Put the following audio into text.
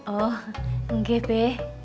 oh enggak be